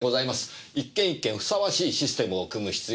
一軒一軒ふさわしいシステムを組む必要がございまして。